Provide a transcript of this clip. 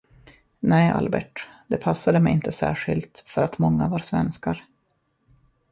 Nej, Albert, det passade mig inte särskilt för att många var svenskar!